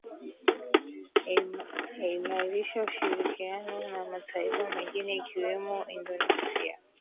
eimarisha ushirikiano na mataifa mengine ikiwemo indonesia